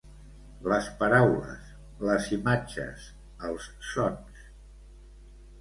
Les paraules, les imatges, els sons.